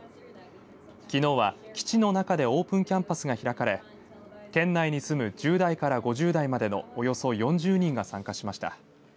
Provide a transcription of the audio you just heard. きのうは基地の中でオープンキャンパスが開かれ県内に住む１０代から５０代までのおよそ４０人が参加しました。